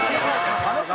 あの顔